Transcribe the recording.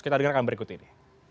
kita dengarkan berikut ini